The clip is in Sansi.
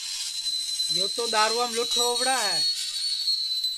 یو تو دؔارُوام لُٹھ ہووَڑا ہے